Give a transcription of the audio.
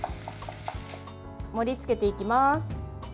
盛りつけていきます。